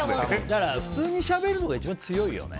普通にしゃべるのが一番強いよね。